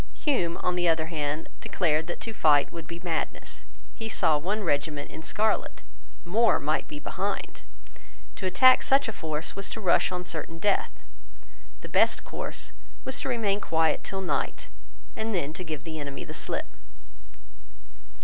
Hume, on the other hand, declared that to fight would be madness. He saw one regiment in scarlet. More might be behind. To attack such a force was to rush on certain death The best course was to remain quiet till night, and then to give the enemy the slip.